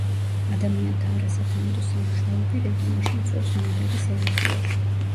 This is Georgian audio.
ადამიანთა არასათანადო სამუშაოები რეგიონში იწვევს ნიადაგის ეროზიას.